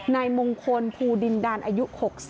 นายมงคลภูดินดานอายุ๖๐